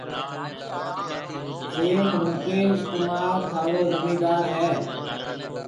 سيٺ مڪيش ڪمار ٿارو زميندار هيَ۔